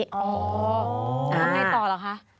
แล้วทำไงต่อหรือคะ